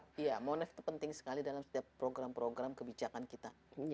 iya monef itu penting sekali dalam setiap program program kebijakan kita